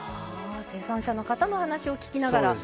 生産者のお話を聞きながら。